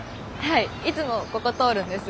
いつもここ通るんです。